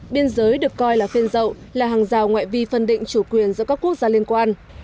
biên giới được coi là phên rậu là hàng rào ngoại vi phân định chủ quyền giữa các quốc gia liên quan